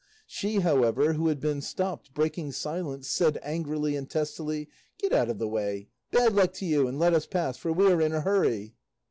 She, however, who had been stopped, breaking silence, said angrily and testily, "Get out of the way, bad luck to you, and let us pass, for we are in a hurry."